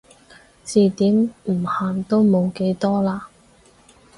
字典唔限都冇幾多啦